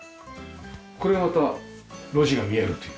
これがまた路地が見えるという。